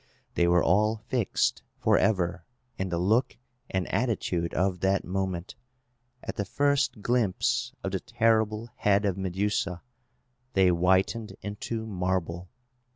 They were all fixed, forever, in the look and attitude of that moment! At the first glimpse of the terrible head of Medusa, they whitened into marble!